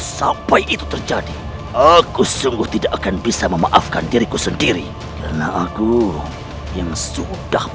sampai jumpa di video selanjutnya